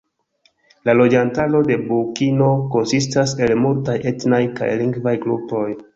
La loĝantaro de Burkino konsistas el multaj etnaj kaj lingvaj grupoj.